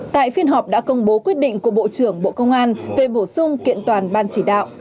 tại phiên họp đã công bố quyết định của bộ trưởng bộ công an về bổ sung kiện toàn ban chỉ đạo